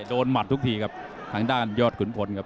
หมัดทุกทีครับทางด้านยอดขุนพลครับ